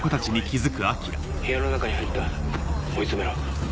部屋の中に入った追い詰めろ。